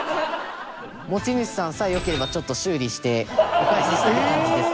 持ち主さんさえよければちょっと、修理してお返ししたいって感じです。